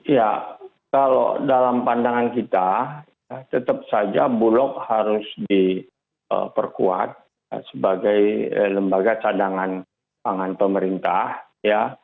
ya kalau dalam pandangan kita tetap saja bulog harus diperkuat sebagai lembaga cadangan pangan pemerintah ya